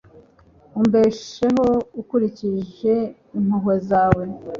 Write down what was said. umbesheho ukurikije impuhwe zawe